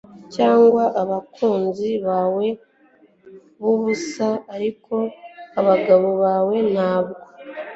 Cyangwa abakunzi bawe bubusa ariko abagabo bawe ntabwo